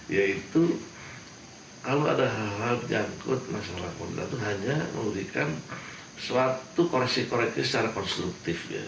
yaitu kalau ada hal hal yang jangkut masyarakat pemerintah itu hanya mengurikan suatu koreksi koreksi secara konstruktif